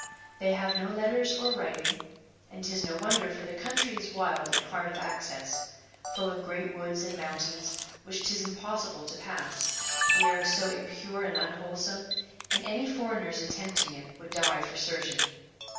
' They have no letters or writing ; and 'tis no wonder, for the country is wild and hard of access, full of great woods and mountains which 'tis impossible to pass, the air is so impure and unwholesome ; and any foreigners attempting it would die for certain.